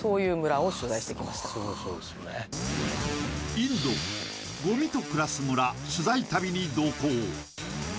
インド、ごみと暮らす村、取材旅に同行。